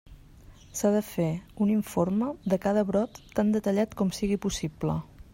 S'ha de fer un informe de cada brot tan detallat com sigui possible.